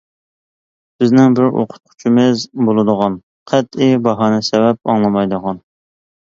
بىزنىڭ بىر ئوقۇتقۇچىمىز بولىدىغان، قەتئىي باھانە-سەۋەب ئاڭلىمايدىغان.